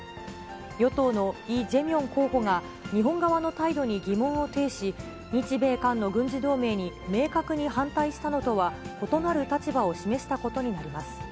与党のイ・ジェミョン候補が、日本側の態度に疑問を呈し、日米韓の軍事同盟に明確に反対したのとは異なる立場を示したことになります。